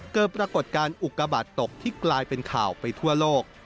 เกิดปรากฏการณ์อุกาบาทตกที่กลายเป็นข่าวไปทั่วโลก